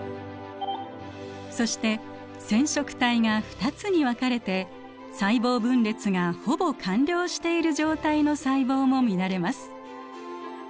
そして染色体が２つに分かれて細胞分裂がほぼ完了している状態の細胞も見られます。